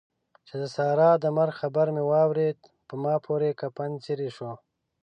چې د سارا د مرګ خبر مې واورېد؛ په ما پورې کفن څيرې شو.